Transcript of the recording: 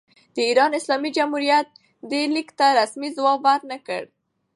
د ایران اسلامي جمهوریت دې لیک ته رسمي ځواب ور نه کړ.